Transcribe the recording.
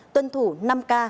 tuân thủ năm k